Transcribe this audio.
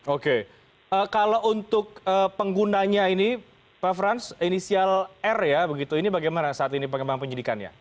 oke kalau untuk penggunanya ini pak frans inisial r ya begitu ini bagaimana saat ini pengembangan penyidikannya